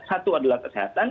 satu adalah kesehatan